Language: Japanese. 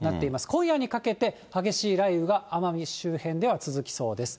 今夜にかけて、激しい雷雨が、奄美周辺では続きそうです。